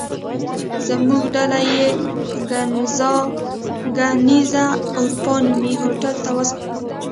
زموږ ډله یې کېنز اروپا نومي هوټل ته وسپارله.